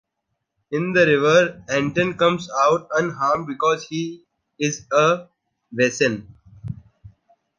In the river, Anton comes out unharmed because he is a Wesen.